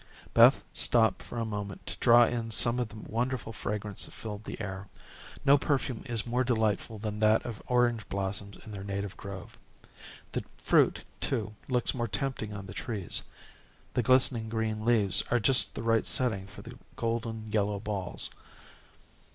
Beth stopped for a moment to draw in some of the wonderful fragrance that filled the air. No perfume is more delightful than that of orange blossoms in their native grove. The fruit, too, looks more tempting on the trees. The glistening green leaves are just the right setting for the golden yellow balls.